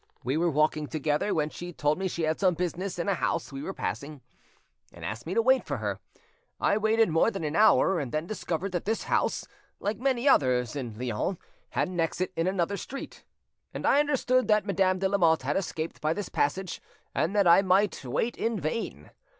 We were walking together, when she told me she had some business in a house we were passing, and asked me to wait for her. I waited more than an hour, and then discovered that this house, like many others in Lyons, had an exit in another street; and I understood that Madame de Lamotte had escaped by this passage, and that I might wait in vain.